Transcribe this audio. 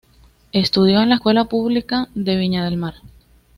Estudió en la Escuela Pública en Viña del Mar.